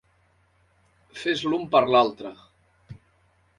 Fets l'un per l'altra.